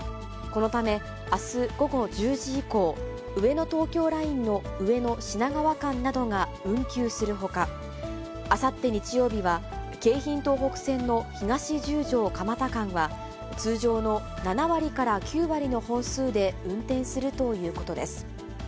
このため、あす午後１０時以降、上野東京ラインの上野・品川間などが運休するほか、あさって日曜日は、京浜東北線の東十条・蒲田間は、通常の７割から９割の本数で運転するということです。